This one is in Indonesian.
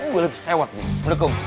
gue lagi sewa menekung